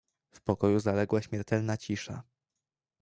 "W pokoju zaległa śmiertelna cisza."